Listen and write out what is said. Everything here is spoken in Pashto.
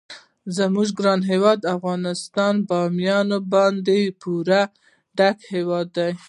زموږ ګران هیواد افغانستان په بامیان باندې پوره ډک هیواد دی.